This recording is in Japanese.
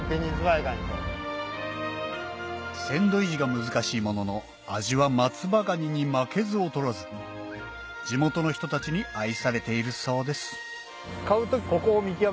鮮度維持が難しいものの味は松葉がにに負けず劣らず地元の人たちに愛されているそうです